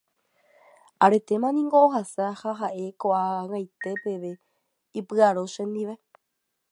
aretéma niko ohasa ha ha'e ko'ag̃aite peve ipy'aro chendive